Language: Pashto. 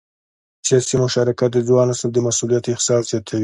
سیاسي مشارکت د ځوان نسل د مسؤلیت احساس زیاتوي